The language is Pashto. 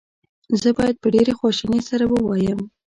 زه باید په ډېرې خواشینۍ سره ووایم.